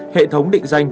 hệ thống định dựng